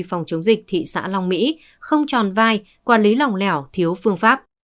phòng chống dịch thị xã long mỹ không tròn vai quản lý lòng lẻo thiếu phương pháp